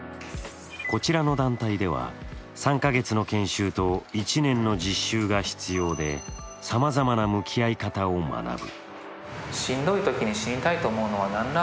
こちらの団体では、３か月の研修と、１年の実習が必要でさまざまな向き合い方を学ぶ。